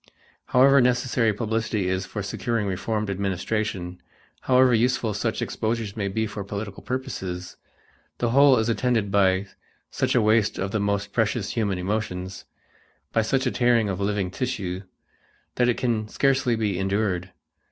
However necessary publicity is for securing reformed administration, however useful such exposures may be for political purposes, the whole is attended by such a waste of the most precious human emotions, by such a tearing of living tissue, that it can scarcely be endured.